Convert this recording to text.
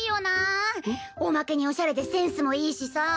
おまけにオシャレでセンスもいいしさ。